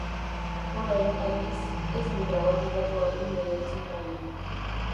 Orain, aldiz, ez du grabatutakoa behin ere entzun nahi.